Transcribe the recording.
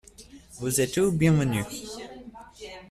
Vous êtes tous bienvenus.